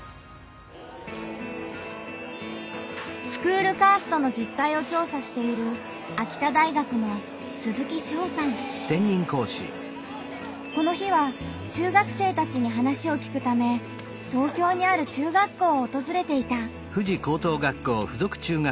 スクールカーストの実態を調査しているこの日は中学生たちに話を聞くため東京にある中学校をおとずれていた。